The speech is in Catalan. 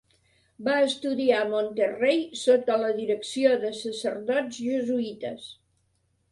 Va estudiar a Monterrey sota la direcció de sacerdots jesuïtes.